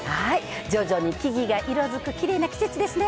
徐々に木々が色づくきれいな季節ですね。